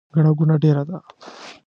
ګڼه ګوڼه ډیره ده